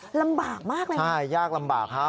ลำบากมากเลยนะใช่ยากลำบากครับ